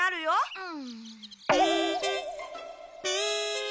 うん。